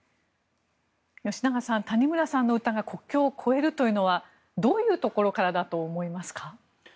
吉永さん、谷村さんの歌が国境を超えるというのはどういうところからだと思いますか？